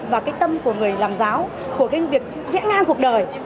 và cái tâm của người làm giáo của cái việc dễ ngang cuộc đời